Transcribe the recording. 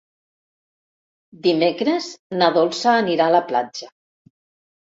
Dimecres na Dolça anirà a la platja.